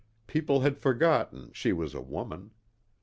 People had forgotten she was a woman.